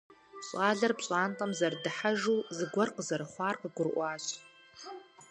Щӏалэр пщӏантӏэм зэрыдыхьэжу, зыгуэр къызэрыхъуар къыгурыӏуащ.